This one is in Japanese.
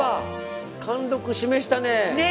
貫禄示したねえ。